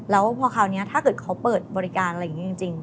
แล้วพอคราวนี้ถ้าเกิดเขาเปิดบริการอะไรอย่างนี้จริง